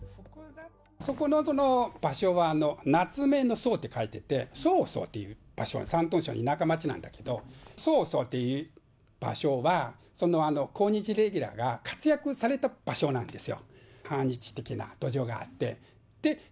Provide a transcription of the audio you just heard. そこの場所は、棗の荘と書いてて、棗荘という場所、山東省の田舎町なんだけど、棗荘という場所は、抗日ゲリラが活躍された場所なんですよ。